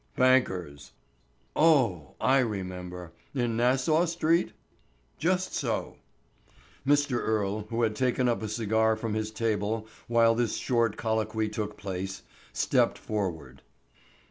"Bankers." "Oh, I remember; in Nassau street?" "Just so." Mr. Earle, who had taken up a cigar from his table while this short colloquy took place, stepped forward.